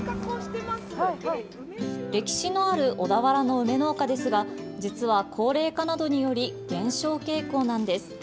歴史のある小田原の梅農家ですが実は高齢化などにより減少傾向なんです。